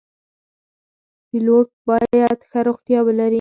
پیلوټ باید ښه روغتیا ولري.